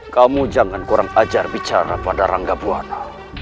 kamu jangan kurang ajar bicara pada rangga buana